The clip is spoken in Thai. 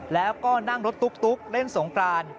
แล้วก็นั่งรถตุ๊กเล่นสงกราน